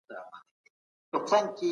د خطي نسخو تاریخ په دقت سره وڅېړئ.